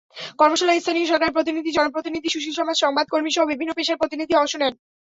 কর্মশালায় স্থানীয় সরকারের প্রতিনিধি, জনপ্রতিনিধি, সুশীলসমাজ, সংবাদকর্মীসহ বিভিন্ন পেশার প্রতিনিধি অংশ নেন।